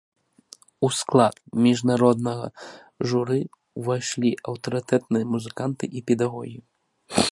У склад міжнароднага журы ўвайшлі аўтарытэтныя музыканты і педагогі.